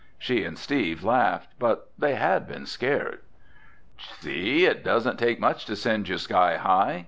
She and Steve laughed but they had been scared. "See, it doesn't take much to send you sky high!"